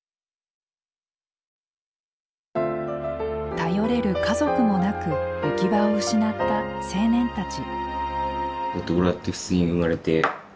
頼れる家族もなく行き場を失った青年たち。